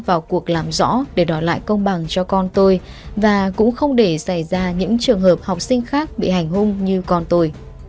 tôi sẽ làm một cuộc làm rõ để đòi lại công bằng cho con tôi và cũng không để xảy ra những trường hợp học sinh khác bị hành hung như con tôi